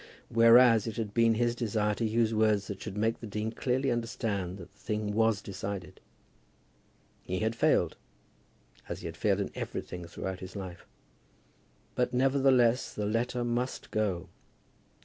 Whereas it had been his desire to use words that should make the dean clearly understand that the thing was decided. He had failed, as he had failed in everything throughout his life; but nevertheless the letter must go.